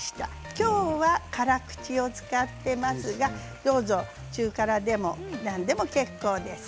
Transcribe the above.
今日は辛口を使っていますがどうぞ中辛でも何でも結構です。